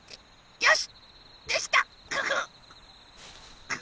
よし！